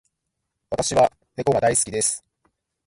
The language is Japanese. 私は猫が大好きです。